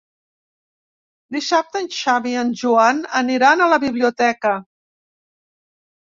Dissabte en Xavi i en Joan aniran a la biblioteca.